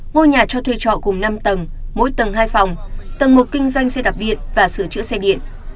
ngôi nhà cho thuê trọ gồm năm tầng mỗi tầng hai phòng tầng một kinh doanh xe đạp điện và sửa chữa xe điện